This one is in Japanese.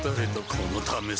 このためさ